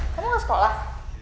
kan lo sekolah